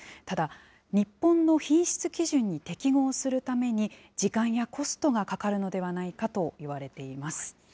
ただ、日本の品質基準に適合するために、時間やコストがかかるのではないかといわれています。